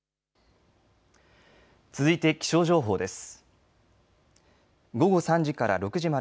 続いて気象情報です。